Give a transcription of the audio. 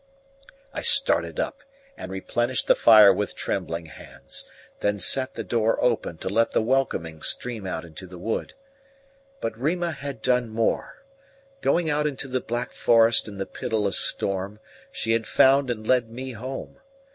I started up and replenished the fire with trembling hands, then set the door open to let the welcoming stream out into the wood. But Rima had done more; going out into the black forest in the pitiless storm, she had found and led me home.